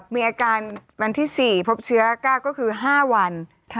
มีอาการวันที่๔พบเชื้อ๙ก็คือ๕วัน